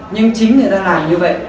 nhưng chính người ta làm như vậy